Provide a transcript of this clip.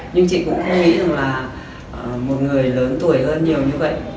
nhưng chị cũng thấy rằng là một người lớn tuổi hơn nhiều như vậy